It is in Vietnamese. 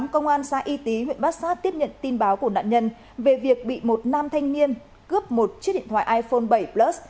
công an xã y tý huyện bát sát tiếp nhận tin báo của nạn nhân về việc bị một nam thanh niên cướp một chiếc điện thoại iphone bảy plus